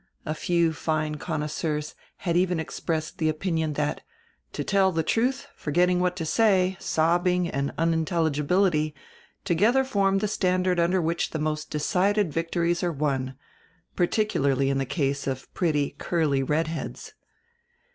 A few fine connoisseurs had even expressed the opinion that, "to tell die truth, forgetting what to say, sobbing, and unintelligibility, together form the standard under which the most decided victories are won, particularly in the case of pretty, curly red heads."